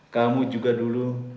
kamu juga dulu